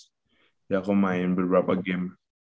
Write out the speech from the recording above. jadi aku main beberapa game